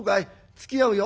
つきあうよ」。